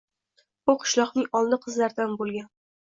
U qishloqding oldi qizlaridan bo‘lg‘an